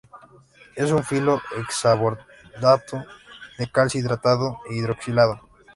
Es un filo-hexaborato de calcio, hidratado e hidroxilado.